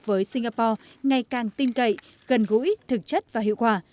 với singapore ngày càng tin cậy gần gũi thực chất và hiệu quả